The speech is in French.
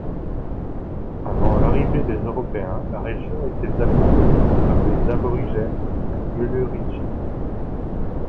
Avant l'arrivée des Européens, la région était habitée par les aborigènes Muluridji.